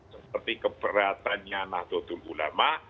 seperti keberatannya nato tululama